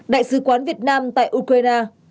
đại sứ quán việt nam tại ukraine